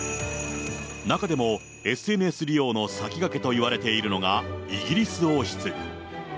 中でもＳＮＳ利用の先駆けといわれているのがイギリス王室。